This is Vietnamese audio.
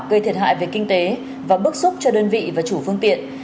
gây thiệt hại về kinh tế và bức xúc cho đơn vị và chủ phương tiện